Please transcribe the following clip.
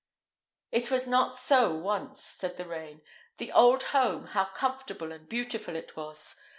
"It was not so once," said the rain. "The old home, how comfortable and beautiful it was!